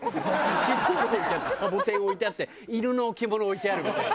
７人のこびとあってサボテン置いてあって犬の置物置いてあるみたいな。